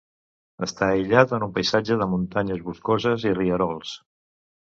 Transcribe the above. Està aïllat en un paisatge de muntanyes boscoses i rierols.